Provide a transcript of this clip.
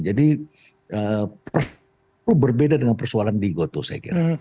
jadi berbeda dengan persoalan di gotoh saya kira